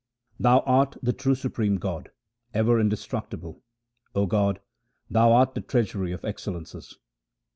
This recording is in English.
Thou art the true Supreme God, ever indestructible ; 0 God, Thou art the treasury of excellences.